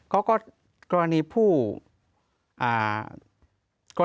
เขาก็กรณีที่เสียชีวัตตัวความผิดชอบ